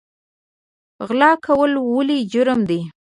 غلا کول ولې جرم دی؟